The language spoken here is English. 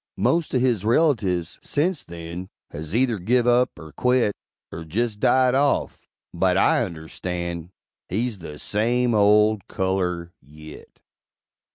Most o' his relatives, sence then, Has either give up, er quit, Er jest died off; but I understand He's the same old color yit!